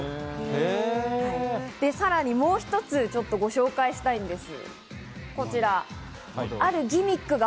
さらにもう一つ、ご紹介したいんです。